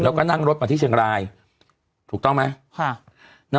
แล้วก็นั่งรถมาที่เชียงรายถูกต้องไหม